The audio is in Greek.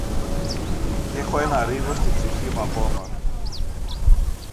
κ’ έχω ένα ρίγος στην ψυχή μου ακόμα